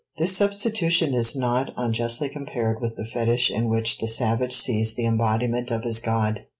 This substitution is not unjustly compared with the fetich in which the savage sees the embodiment of his god.